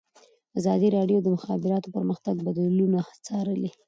ازادي راډیو د د مخابراتو پرمختګ بدلونونه څارلي.